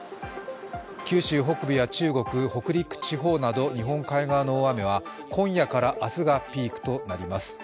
九州北部や中国、北陸地方など日本海側の大雨は今夜から明日がピークとなります。